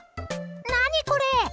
何これ？